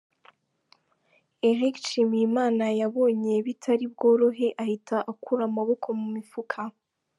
Eric Nshimiyimana yabonye bitari bworohe ahita akura amaboko mu mifuka.